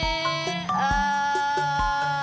ああ。